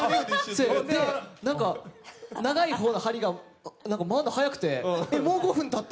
なんか、長い方の針が回るのが早くてもう５分たった！